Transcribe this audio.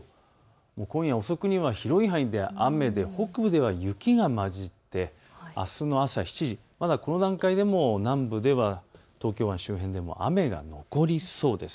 今夜遅くには広い範囲で雨で北部では雪が交じってあすの朝７時、まだこの段階でも南部では東京湾周辺でも雨が残りそうです。